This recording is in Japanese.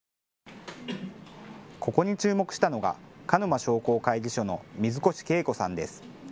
ここに注目したのが鹿沼商工会議所の水越啓悟さんです。